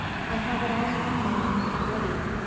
I have it all in my mind already....